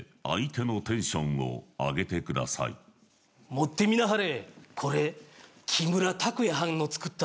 「持ってみなはれ」？